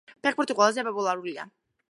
ფეხბურთი ყველაზე პოპულარულია.